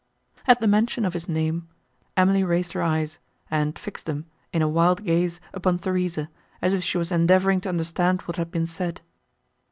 At the mention of his name, Emily raised her eyes, and fixed them, in a wild gaze, upon Theresa, as if she was endeavouring to understand what had been said.